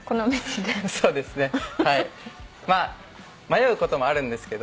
まあ迷うこともあるんですけど。